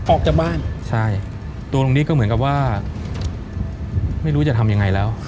ออกจากบ้านใช่ตัวลุงนี้ก็เหมือนกับว่าไม่รู้จะทำยังไงแล้ว